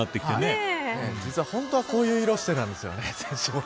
本当はこういう色してたんですよね。